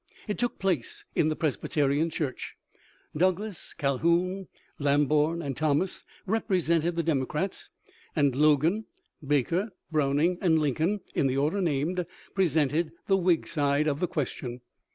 It took place in the Presbyterian Church. Douglas, Calhoun, Lamborn, and Thomas represented the Democrats ; and Logan, Baker, Browning, and Lin coln, in the order named, presented the Whig side of the question.